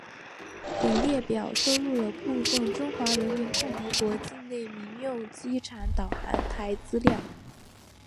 本列表收录了部分中华人民共和国境内民用机场导航台资料。